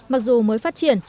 mặc dù mới phát triển